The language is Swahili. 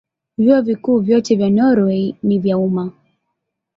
Vyuo Vikuu vyote vya Norwei ni vya umma.